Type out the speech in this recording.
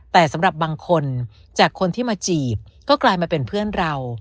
แต่สำหรับบางคนจากคนที่มาจีบก็กลายมาเป็นเพื่อนเรา